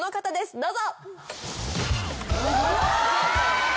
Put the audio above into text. どうぞ。